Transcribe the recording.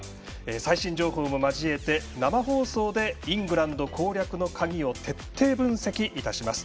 最新情報も交えて、生放送でイングランド攻略の鍵を徹底分析いたします。